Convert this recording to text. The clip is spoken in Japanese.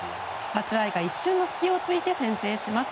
バチュアイが一瞬の隙を突いて先制します。